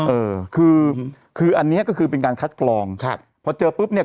เออคือคืออันเนี้ยก็คือเป็นการคัดกรองครับพอเจอปุ๊บเนี้ย